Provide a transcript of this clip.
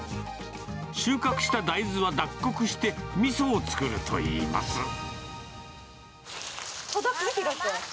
収穫した大豆は脱穀して、みそを作るといいます。